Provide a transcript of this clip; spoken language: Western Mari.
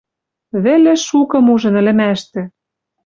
Вӹлӹ шукым ужын ӹлӹмӓштӹ.